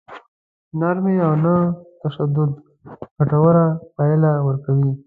نرمي او نه تشدد ګټوره پايله ورکوي.